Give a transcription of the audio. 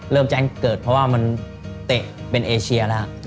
แจ้งเกิดเพราะว่ามันเตะเป็นเอเชียแล้ว